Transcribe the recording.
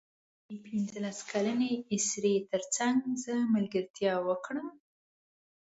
د پنځلس کلنې اسرې تر څنګ زه ملګرتیا وکړم.